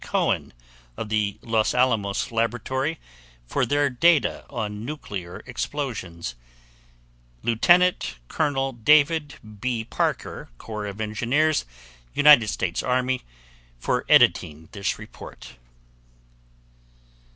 Cohen, of the Los Alamos Laboratory, for their data on nuclear explosions, Lieut. Col. David B. Parker, Corps of Engineers, United States Army, for editing this report.